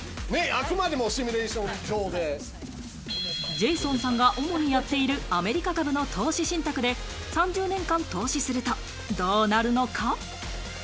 ジェイソンさんが主にやっているアメリカ株の投資信託で３０年間投資するとどうなるのか？